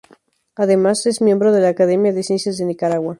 Además, es miembro de la Academia de Ciencias de Nicaragua.